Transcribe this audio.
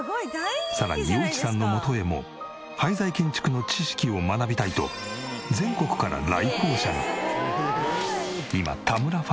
さらに余一さんの元へも廃材建築の知識を学びたいと全国から来訪者が。